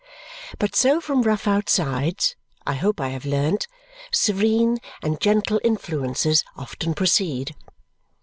But so from rough outsides (I hope I have learnt), serene and gentle influences often proceed.